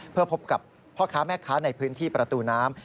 เพื่อพบกับพ่อค้าแม่ค้าในพื้นที่ประตูน้ำ